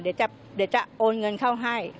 เดี๋ยวจะโอนเงินเข้าให้